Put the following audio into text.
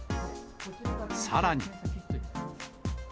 さらに。